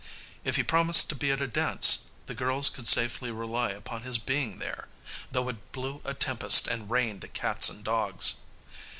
If he promised to be at a dance, the girls could safely rely upon his being there, though it blew a tempest and rained cats and dogs.